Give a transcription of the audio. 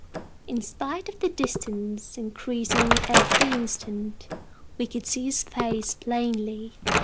In spite of the distance, increasing every instant we could see his face plainly.